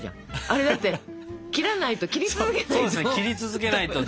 あれだって切らないと切り続けないと。